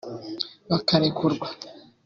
bakarekurwa